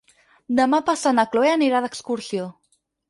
Demà passat na Cloè anirà d'excursió.